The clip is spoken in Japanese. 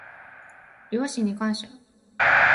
両親に感謝